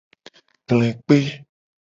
Kle kpe.